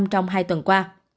trong hai tuần qua